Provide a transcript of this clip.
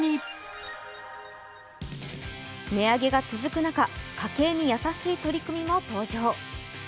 値上げが続く中、家計に優しい取り組みも登場。